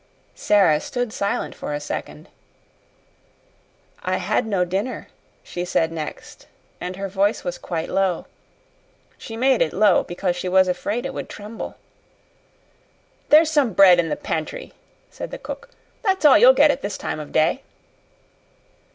Sara stood silent for a second. "I had no dinner," she said next, and her voice was quite low. She made it low because she was afraid it would tremble. "There's some bread in the pantry," said the cook. "That's all you'll get at this time of day."